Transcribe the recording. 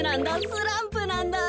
スランプなんだ。